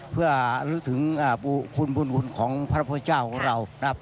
เพื่อรู้ถึงคุณบุญของพระพระเจ้าของเรา